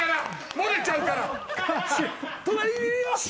漏れちゃうから。